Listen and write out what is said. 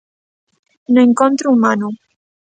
No encontro humano.